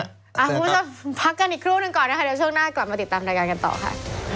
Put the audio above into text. คุณผู้ชมพักกันอีกครู่หนึ่งก่อนนะคะเดี๋ยวช่วงหน้ากลับมาติดตามรายการกันต่อค่ะ